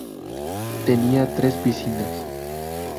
Tenía tres piscinas.